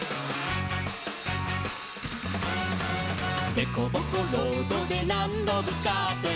「でこぼこロードでなんどぶつかっても」